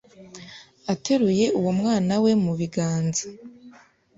Ateruye uwo mwana we mu biganza